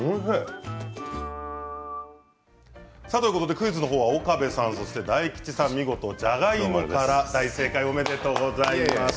クイズは岡部さん、大吉さん、見事じゃがいもから、大正解おめでとうございます。